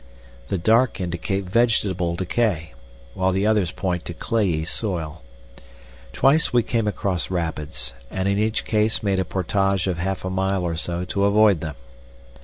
The dark indicate vegetable decay, while the others point to clayey soil. Twice we came across rapids, and in each case made a portage of half a mile or so to avoid them.